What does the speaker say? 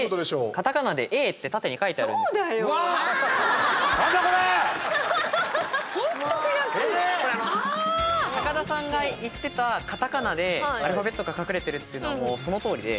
カタカナで「エー」って高田さんが言ってたカタカナでアルファベットが隠れているっていうのはそのとおりで。